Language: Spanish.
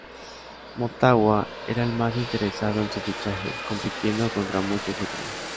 Motagua era el más interesado en su fichaje compitiendo contra muchos otros.